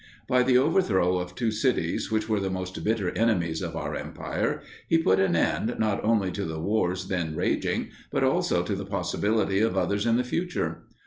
By the overthrow of two cities which were the most bitter enemies of our Empire, he put an end not only to the wars then raging, but also to the possibility of others in the future.